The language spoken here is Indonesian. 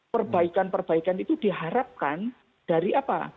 perbaikan perbaikan itu diharapkan dari apa